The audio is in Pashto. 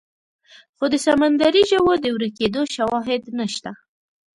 خو د سمندري ژوو د ورکېدو شواهد نشته.